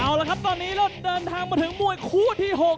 เอาละครับตอนนี้เราเดินทางมาถึงมวยคู่ที่๖